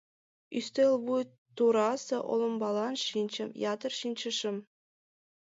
Ӱстел вуй турасе олымбалан шинчым, Ятыр шинчышым.